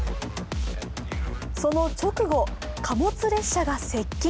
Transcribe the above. その直後、貨物列車が接近。